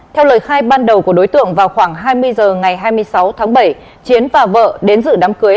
theo lời khai ban đầu của đối tượng vào khoảng hai mươi h ngày hai mươi sáu tháng bảy chiến và vợ đến giữ đám cưới